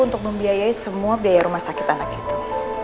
untuk membiayai semua biaya rumah sakit anak itu